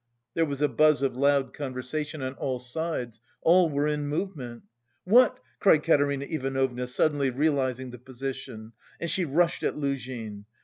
There was a buzz of loud conversation on all sides. All were in movement. "What!" cried Katerina Ivanovna, suddenly realising the position, and she rushed at Luzhin.